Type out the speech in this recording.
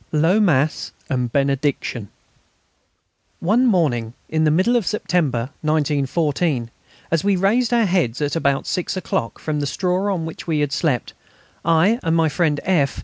LOW MASS AND BENEDICTION One morning in the middle of September, 1914, as we raised our heads at about six o'clock from the straw on which we had slept, I and my friend F.